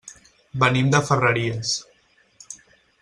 Venim de Ferreries.